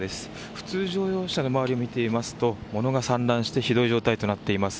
普通乗用車の周りを見てみますと物が散乱してひどい状態となっています。